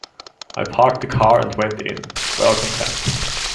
I parked the car, and went in, well content.